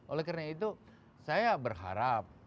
oleh karena itu saya berharap